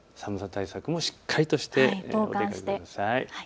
対策もしっかりとして行ってください。